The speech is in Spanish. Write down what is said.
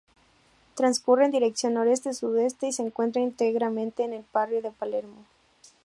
Transcurre en dirección noreste-sudoeste y se encuentra íntegramente en el barrio de Palermo.